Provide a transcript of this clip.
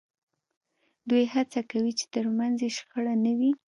دوی هڅه کوي چې ترمنځ یې شخړه نه وي